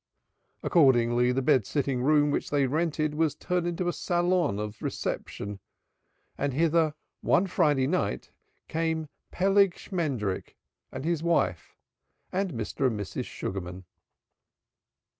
Accordingly the bed sitting room which they rented was turned into a salon of reception, and hither one Friday night came Peleg Shmendrik and his wife and Mr. and Mrs. Sugarman.